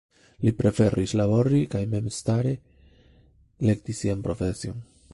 Li preferis labori kaj memstare elekti sian profesion.